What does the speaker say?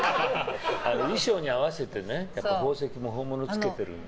衣装に合わせて宝石も本物をつけているので。